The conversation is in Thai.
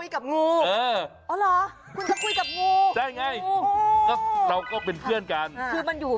อ๋อคุณจะคุยกับงู